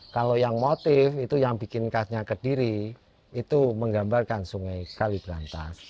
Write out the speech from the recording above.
kalau yang motif itu yang bikin khasnya ke diri itu menggambarkan sungai kaliberantas